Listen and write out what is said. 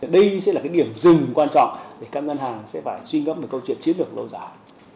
đây sẽ là cái điểm rừng quan trọng để các ngân hàng sẽ phải xuyên gấp một câu chuyện chiến được lâu dài